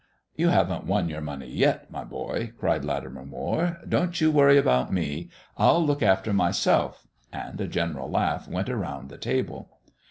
"You haven't won your money yet, my boy," cried Latimer Moire. "Don't you worry about me; I'll look after myself," and a general laugh went around the table.